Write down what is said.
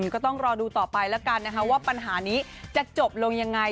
ก็ต้องรอดูต่อไปแล้วกันนะคะว่าปัญหานี้จะจบลงยังไง